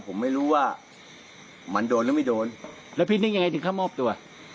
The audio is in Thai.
ผมไม่รู้ว่ามันโดนหรือไม่โดนแล้วพี่นึกยังไงถึงเข้ามอบตัว